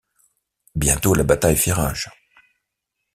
Bientôt la bataille fait rage.